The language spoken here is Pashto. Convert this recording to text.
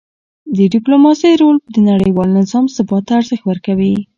د ډیپلوماسی رول د نړیوال نظام ثبات ته ارزښت ورکوي.